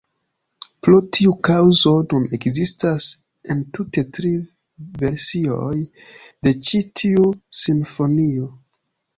Pro tiu kaŭzo nun ekzistas entute tri versioj de ĉi tiu simfonio.